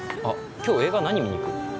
今日映画何見に行く？